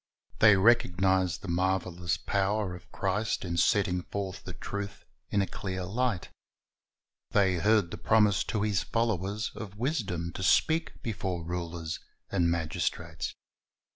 They recognized the marvelous power of Christ in setting forth the truth in a clear light. They heard the promise to His followers of wisdom to speak before rulers and magistrates.